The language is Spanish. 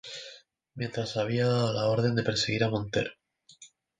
Mientras, se había dado la orden de perseguir a Montero.